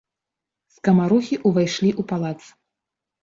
Скамарохі ўвайшлі ў палац.